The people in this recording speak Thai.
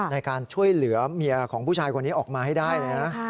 ในการช่วยเหลือเมียของผู้ชายคนนี้ออกมาให้ได้เลยนะ